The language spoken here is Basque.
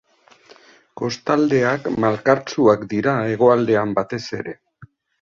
Kostaldeak malkartsuak dira, hegoaldean batez ere.